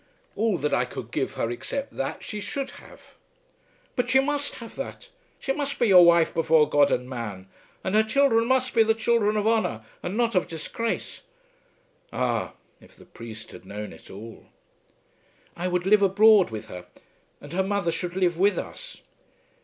"All that I could give her except that, she should have." "But she must have that. She must be your wife before God and man, and her children must be the children of honour and not of disgrace." Ah, if the priest had known it all! "I would live abroad with her, and her mother should live with us."